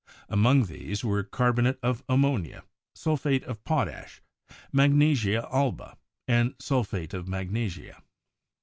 Among these were carbonate of ammonia, sulphate of potash, magnesia alba and sul phate of magnesia.